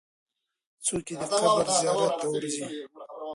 څوک یې د قبر زیارت ته ورځي؟